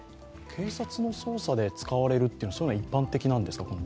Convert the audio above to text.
警察の捜査で使われるというのは一般的なんですか？